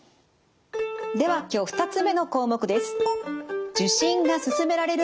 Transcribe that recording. では今日２つ目の項目です。